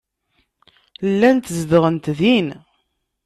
Llant zedɣent din.